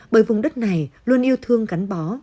bởi vùng đất này luôn yêu thương gắn bó